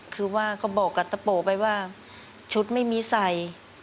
คือว่าก็บอกกับตะโปไปว่าชุดไม่มีใส่